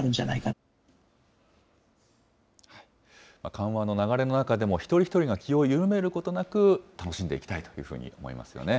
緩和の流れの中でも、一人一人が気を緩めることなく、楽しんでいきたいというふうに思いますよね。